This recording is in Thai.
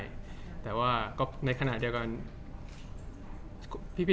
จากความไม่เข้าจันทร์ของผู้ใหญ่ของพ่อกับแม่